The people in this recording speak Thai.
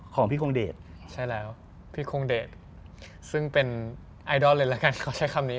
ของพี่คงเดชใช่แล้วพี่คงเดชซึ่งเป็นไอดอลเลยละกันเขาใช้คำนี้